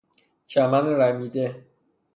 چمن رمیده